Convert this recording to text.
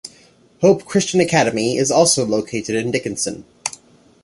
Hope Christian Academy is also located in Dickinson.